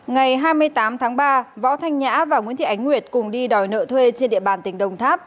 ngày hai mươi tám tháng ba võ thanh nhã và nguyễn thị ánh nguyệt cùng đi đòi nợ thuê trên địa bàn tỉnh đồng tháp